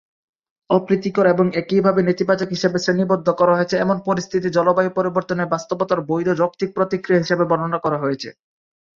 অপ্রীতিকর এবং একইভাবে নেতিবাচক হিসাবে শ্রেণীবদ্ধ করা হয়েছে এমন পরিস্থিতি জলবায়ু পরিবর্তনের বাস্তবতার বৈধ যৌক্তিক প্রতিক্রিয়া হিসাবে বর্ণনা করা হয়েছে।